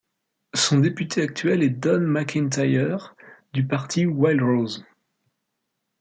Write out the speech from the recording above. Son député actuel est Don MacIntyre du parti Wildrose.